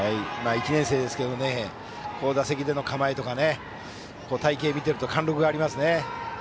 １年生ですが打席での構えとか体形を見ていると貫禄がありますね。